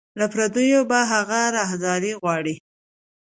له پردیو به هغه راهداري غواړي